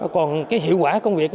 còn hiệu quả công việc